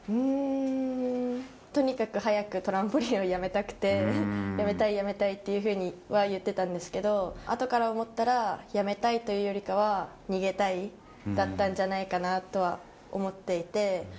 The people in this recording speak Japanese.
とにかく早くトランポリンを辞めたくて、辞めたい辞めたいっていうふうには言ってたんですけど、あとから思ったら、辞めたいというよりかは、逃げたいだったんじゃないかなとは思っていて。